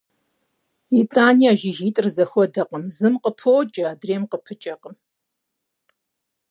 ИтӀани а жыгитӏыр зэхуэдэкъым: зым къыпокӀэ, адрейм къыпыкӀэркъым.